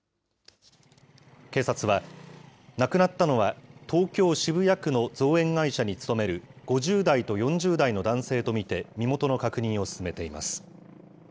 警察は、亡くなったのは東京・渋谷区の造園会社に勤める５０代と４０代の男性と見て、身元の確認を進めています。